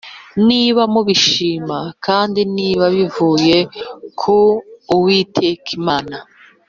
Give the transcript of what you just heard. niba mubishima kandi niba bivuye ku Uwiteka Imana